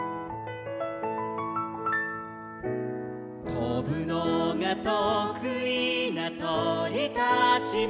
「とぶのがとくいなとりたちも」